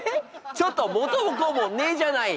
ちょっと元も子もねえじゃない！